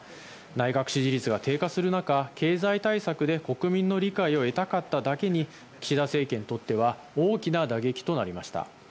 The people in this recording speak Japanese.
内閣支持率が低下する中経済対策で国民の理解を得たかっただけに岸田政権にとっては大きな打撃となりました。